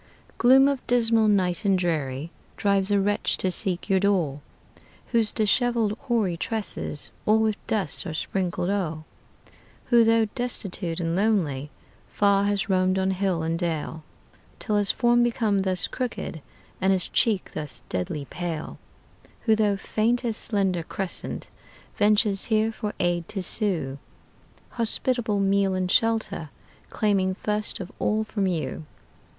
Gloom of dismal night and dreary Drives a wretch to seek your door, Whose disheveled hoary tresses All with dust are sprinkled o'er; Who, though destitute and lonely, Far has roamed on hill and dale, Till his form became thus crooked, And his cheek thus deadly pale; Who, though faint as slender crescent, Ventures here for aid to sue, Hospitable meal and shelter Claiming first of all from you.